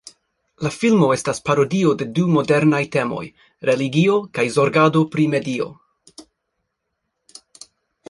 La filmo estas parodio de du modernaj temoj: religio kaj zorgado pri medio.